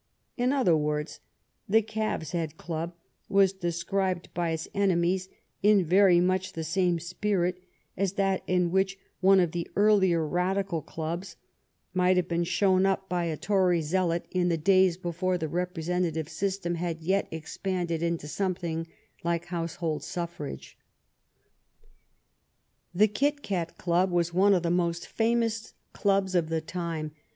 In other words, the Calves' Head Club was described by its enemies in very much the same spirit as that in which one of the earlier Radical clubs might have been shown up by a Tory 189 THE BBI6N OF QUEEN ANNE zealot in the days before the representative system had yet expanded into something like household suffrage. The Kit Cat Club was one of the most famous clubs of the time.